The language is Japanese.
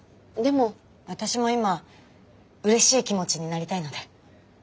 私も今うれしい気持ちになりたいので。